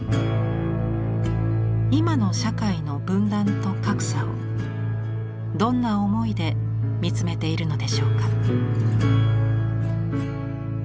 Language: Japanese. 今の社会の「分断」と「格差」をどんな思いで見つめているのでしょうか。